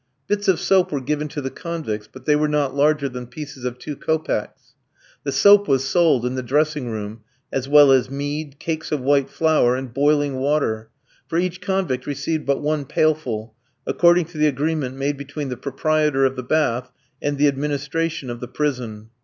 Bits of soap were given to the convicts, but they were not larger than pieces of two kopecks. The soap was sold in the dressing room, as well as mead, cakes of white flour, and boiling water; for each convict received but one pailful, according to the agreement made between the proprietor of the bath and the administration of the prison.